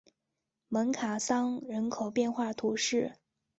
蒙卡桑人口变化图示